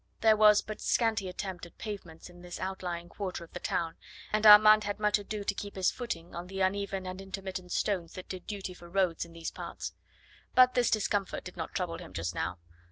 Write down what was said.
There was but scanty attempt at pavements in this outlying quarter of the town, and Armand had much ado to keep his footing on the uneven and intermittent stones that did duty for roads in these parts. But this discomfort did not trouble him just now.